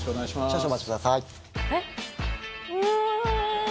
・少々お待ちください・えっ？うん。